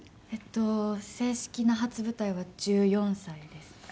えっと正式な初舞台は１４歳です。